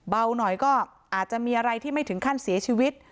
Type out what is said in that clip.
เบาหน่อยก็อาจจะมีอะไรที่ไม่ถึงขั้นเสียชีวิต